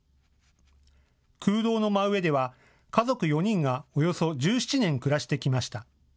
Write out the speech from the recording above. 空洞の真上では家族４人がおよそ１７年、暮らしてきました。